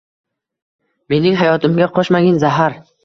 Mening hayotimga qo‘shmagin zahar.